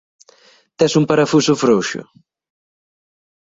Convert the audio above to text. Tes un parafuso frouxo?